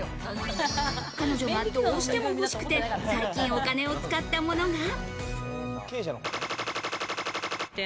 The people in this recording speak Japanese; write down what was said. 彼女が、どうしても欲しくて最近お金を使ったものが。